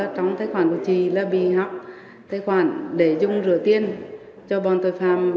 trong tài khoản của chị là bị học tài khoản để dùng rửa tiền cho bọn tội phạm